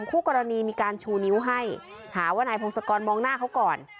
คู่กรณีมีการชูนิ้วให้หาว่านายพงศกรมองหน้าเขาก่อน